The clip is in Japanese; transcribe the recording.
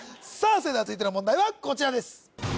それでは続いての問題はこちらです